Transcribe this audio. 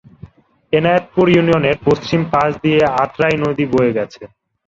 এনায়েতপুর ইউনিয়নের পশ্চিম পাশ দিয়ে আত্রাই নদী বয়ে গেছে।